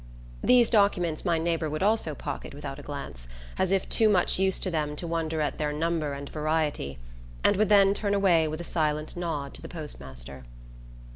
These documents my neighbour would also pocket without a glance, as if too much used to them to wonder at their number and variety, and would then turn away with a silent nod to the post master.